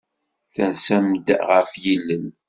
Tersem-d ɣef yilel.